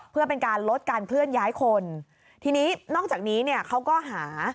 เพื่อเป็นการลดการเคลื่อนย้ายคนทีนี้นอกจากนี้เนี่ยเขาก็หา